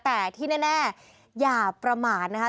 แต่ที่แน่อย่าประมาทนะคะ